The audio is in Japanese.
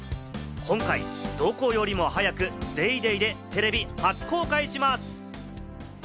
今回、どこよりも早く『ＤａｙＤａｙ．』でテレビ初公開します。